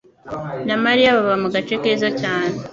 na Mariya baba mu gace keza cyane.